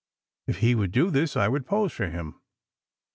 If he would do this, I would pose for him.